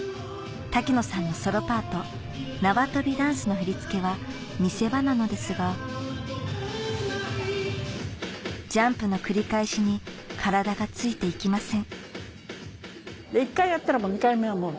滝野さんのソロパートの振り付けは見せ場なのですがジャンプの繰り返しに体がついていきません